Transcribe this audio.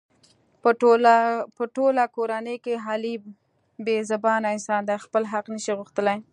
په ټوله کورنۍ کې علي بې زبانه انسان دی. خپل حق نشي غوښتلی.